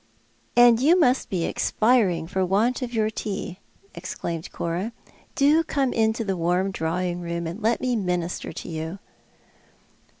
''" And you must be expiring for want of your tea," exclaimed Cora. "Do como into the warm drawing room and let me minister to you."